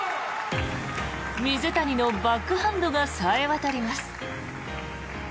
水谷のバックハンドが冴え渡ります。